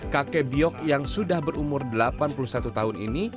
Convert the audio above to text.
kakek biok yang sudah berumur delapan puluh satu tahun ini